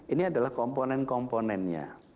ini adalah komponen komponennya